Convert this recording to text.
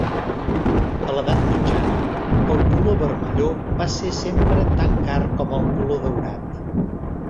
A l'edat mitjana, el color vermelló va ser sempre tan car com el color daurat.